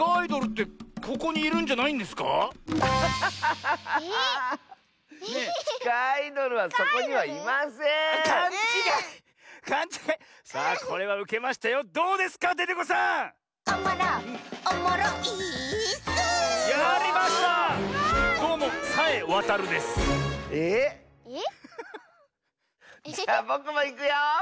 じゃぼくもいくよ！